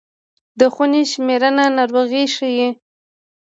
د خونې شمېرنه ناروغي ښيي.